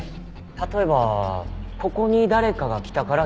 例えばここに誰かが来たから逃げた。